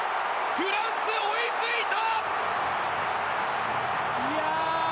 フランス、追いついた！